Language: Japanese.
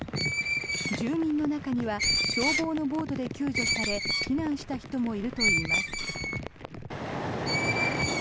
住民の中には消防のボートで救助され避難した人もいるといいます。